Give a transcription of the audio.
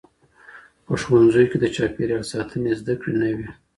په ښوونځیو کي د چاپیریال ساتنې زده کړې نه وي.